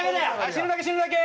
死ぬだけ死ぬだけ！